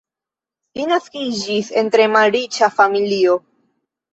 Li naskiĝis en tre malriĉa familio.